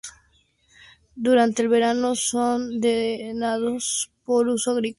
Durante el verano son drenados para uso agrícola; en invierno permanecen inundados.